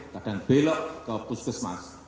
kadang belok ke puskesmas